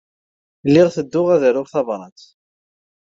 Lliɣ ttedduɣ ad aruɣ tabṛat.